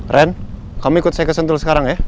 ren kami ikut saya ke sentul sekarang ya